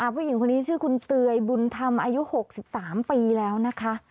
ผู้หญิงคนนี้ชื่อคุณเตยบุญธรรมอายุ๖๓ปีแล้วนะคะ